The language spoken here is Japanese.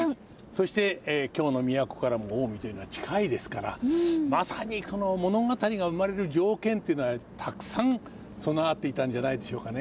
そして京の都からも近江というのは近いですからまさにこの物語が生まれる条件というのはたくさん備わっていたんじゃないでしょうかね。